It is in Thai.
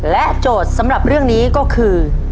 โจทย์สำหรับเรื่องนี้ก็คือ